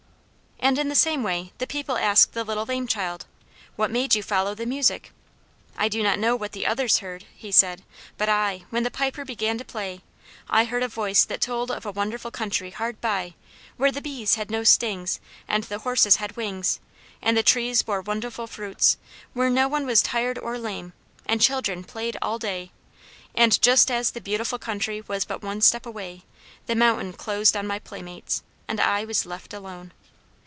And in the same way the people asked the little lame child, "What made you follow the music?" "I do not know what the others heard," he said, "but I, when the Piper began to play, I heard a voice that told of a wonderful country hard by, where the bees had no stings and the horses had wings, and the trees bore wonderful fruits, where no one was tired or lame, and children played all day; and just as the beautiful country was but one step away the mountain closed on my playmates, and I was left alone."